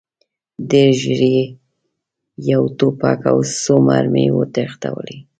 ډېر ژر یې یو توپک او څو مرمۍ وتښتولې.